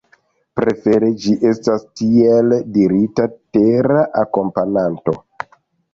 Prefere ĝi estas tiel dirita tera akompananto.